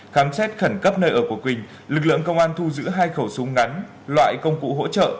khám xét khẩn cấp nơi ở của quỳnh lực lượng công an thu giữ hai khẩu súng ngắn loại công cụ hỗ trợ